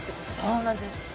そうなんです！